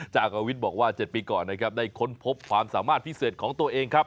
จากกวิทย์บอกว่า๗ปีก่อนนะครับได้ค้นพบความสามารถพิเศษของตัวเองครับ